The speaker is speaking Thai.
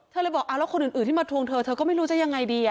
เลยบอกเอาแล้วคนอื่นที่มาทวงเธอเธอก็ไม่รู้จะยังไงดี